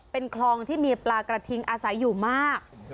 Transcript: เป็นคลองที่มีปลากระทิงอาศัยอยู่มาก